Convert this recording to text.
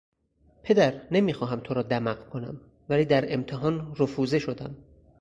پدر نمیخواهم تو را دمق کنم ولی در امتحان رفوزه شدم.